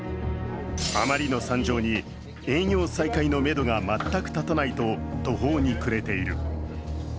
あまりの惨状に営業再開のめどが全く立たないと途方に暮れている。